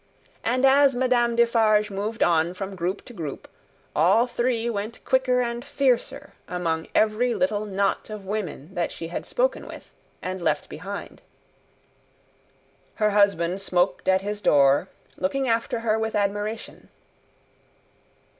And as Madame Defarge moved on from group to group, all three went quicker and fiercer among every little knot of women that she had spoken with, and left behind. Her husband smoked at his door, looking after her with admiration.